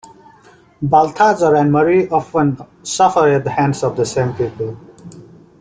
Balthazar and Marie often suffer at the hands of the same people.